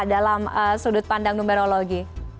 dalam sudut pandang numerologi